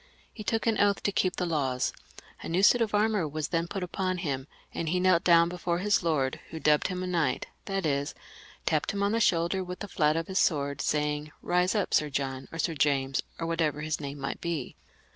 He took an oath to keep the laws ; a new suit of armour was then put upon him, and he knelt down before his lord, who dubbed him a knight ; that is, tapped him on the shoulder with the flat of his sword, saying, Eise up, Sir John, or Sir James, or whatever his name might be.